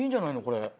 これ。